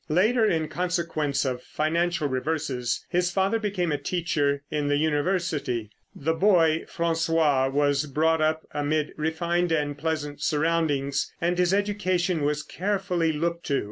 Later, in consequence of financial reverses, his father became a teacher in the university. The boy, François, was brought up amid refined and pleasant surroundings, and his education was carefully looked to.